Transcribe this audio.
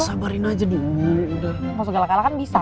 sabarin aja dulu masuk galak galakan bisa